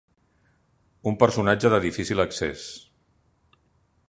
Un personatge de difícil accés.